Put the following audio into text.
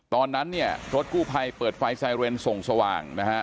ตอนนั้นเนี่ยรถกู้ภัยเปิดไฟไซเรนส่งสว่างนะฮะ